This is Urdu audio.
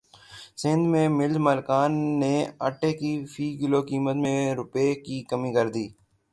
سندھ میں ملز مالکان نے اٹے کی فی کلو قیمت میں روپے کی کمی کردی